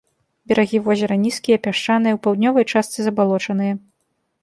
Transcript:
Берагі возера нізкія, пясчаныя, у паўднёвай частцы забалочаныя.